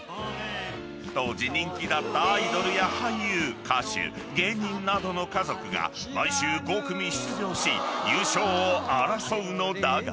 ［当時人気だったアイドルや俳優歌手芸人などの家族が毎週５組出場し優勝を争うのだが］